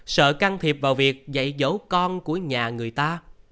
sợ can thiệp vào việc dạy dỗ con của nhà người ta